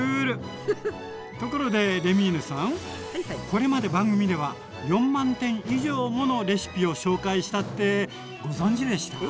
これまで番組では４万点以上ものレシピを紹介したってご存じでした？